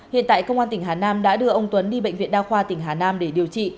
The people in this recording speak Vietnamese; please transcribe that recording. hiện tại công an tỉnh hà nam đã đưa ông tuấn đi bệnh viện đa khoa tỉnh hà nam để điều trị